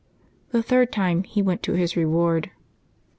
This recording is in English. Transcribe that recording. The third time he went to his reward.